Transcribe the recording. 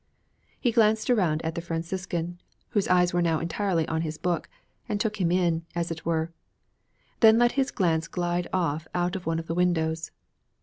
He glanced around at the Franciscan, whose eyes were now entirely on his book; took him in, as it were; then let his glance glide off out one of the windows.